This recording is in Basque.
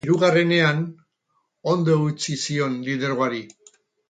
Hirugarrenean ondo eutsi zion lidergoari.